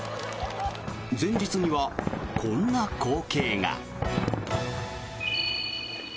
前日には、こんな光景が。